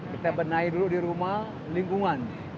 kita benahi dulu di rumah lingkungan